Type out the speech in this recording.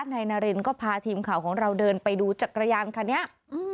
นายนารินก็พาทีมข่าวของเราเดินไปดูจักรยานคันนี้